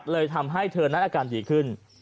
เลยทำให้เธอนั้นอาการดีขึ้น